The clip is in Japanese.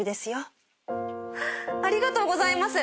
ありがとうございます。